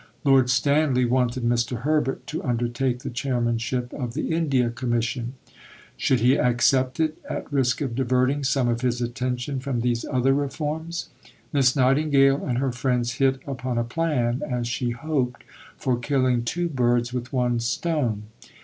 Lord Stanley wanted Mr. Herbert to undertake the chairmanship of the India Commission. Should he accept it, at risk of diverting some of his attention from these other reforms? Miss Nightingale and her friends hit upon a plan, as she hoped, for killing two birds with one stone.